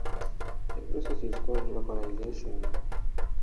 This process is called localization.